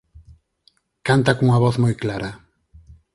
Canta cunha voz moi clara.